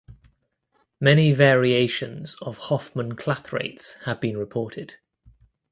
Many variations of Hofmann clathrates have been reported.